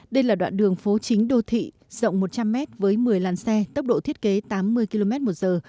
đây là đoạn đường phố chính đô thị rộng một trăm linh mét với một mươi làn xe tốc độ thiết kế tám mươi km một giờ